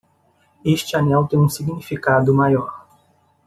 Este anel tem um significado maior